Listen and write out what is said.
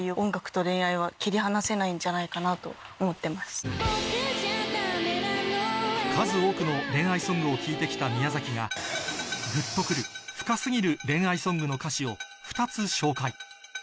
僕じゃだめなのは数多くの恋愛ソングを聴いて来た宮崎がグッと来る深すぎる恋愛ソングの歌詞を２つ紹介